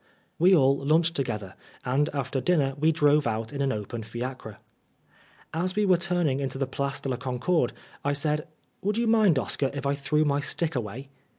We all lunched together, and after dinner we drove out in an open fiacre. As we were turning into the Place de la Concorde, I said, "Would you mind, Oscar, if I threw my stick away?"